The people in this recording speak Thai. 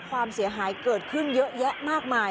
ความเสียหายเกิดขึ้นเยอะแยะมากมาย